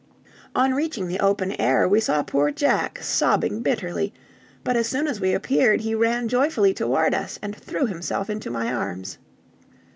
On reaching the open air we saw poor Jack sobbing bitterly, but as soon as we appeared he ran joyfully toward us, and threw himself into my arms.